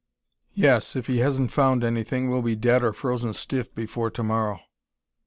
"Yes, if he hasn't found anything, we'll be dead or frozen stiff before to morrow."